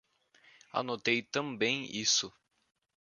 Anotei também isso.